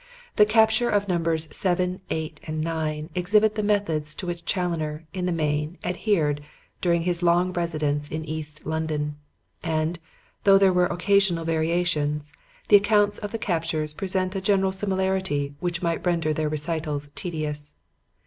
The capture of Numbers 7, 8 and 9 exhibits the methods to which Challoner, in the main, adhered during his long residence in East London; and, though there were occasional variations, the accounts of the captures present a general similarity which might render their recital tedious.